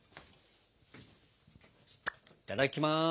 いただきます！